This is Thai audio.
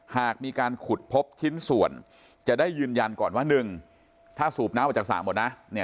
หากมีการขุดพบชิ้นส่วนจะได้ยืนยันก่อนว่า๑ถ้าสูบน้ำออกจากสระหมดนะ